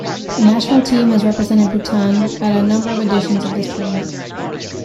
A national team has represented Bhutan at a number of editions of this tournament.